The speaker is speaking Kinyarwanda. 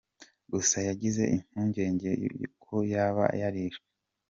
Gusa yagize impungenge ko yaba yarishwe.